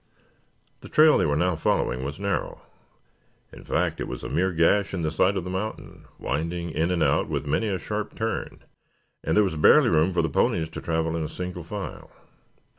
The trail they were now following was narrow. In fact, it was a mere gash in the side of the mountain, winding in and out with many a sharp turn, and there was barely room for the ponies to travel in single file.